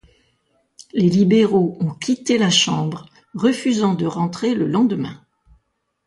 Les libéraux ont quitté la Chambre, refusant de rentrer le lendemain.